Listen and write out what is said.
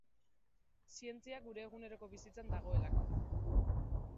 Zientzia gure eguneroko bizitzan dagoelako.